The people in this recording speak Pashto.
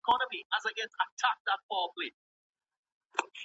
ولي کوښښ کوونکی د وړ کس په پرتله ډېر مخکي ځي؟